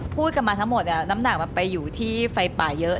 พูดกันมาทั้งหมดน้ำหนักมันไปอยู่ที่ไฟป่าเยอะ